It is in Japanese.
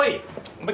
お前！